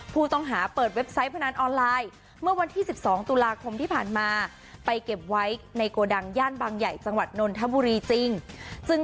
ผู้ต้องหาเปิดเว็บไซต์พนันออนไลน์เมื่อวันที่๑๒ตุลาคมที่ผ่านมาไปเก็บไว้ในโกดังย่านบางใหญ่จังหวัดนนทบุรีจริง